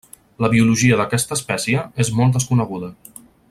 La biologia d'aquesta espècie és molt desconeguda.